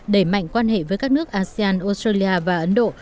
đẩy mạnh quan hệ với các nước asean australia và ấn độ